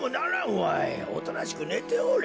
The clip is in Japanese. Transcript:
おとなしくねておれ。